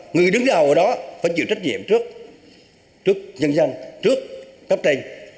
người đứng đầu ở đó phải chịu trách nhiệm trước nhân dân trước cấp trên